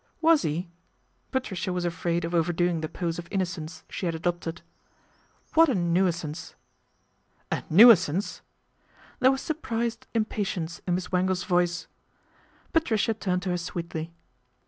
" Was he ?" Patricia was afraid of overdoing the pose of innocence she had adopted. " What a nuisance. A nuisance !" There was surprised im patience in Miss Wangle's voice. Patricia turned to her sweetly.